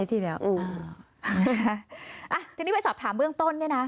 ทีนี้ไปสอบถามเบื้องต้นเนี่ยนะ